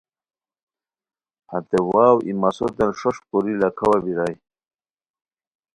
ہتے واؤ ای مسوتین ݰوݰپ کوری لاکھاوا بیرائے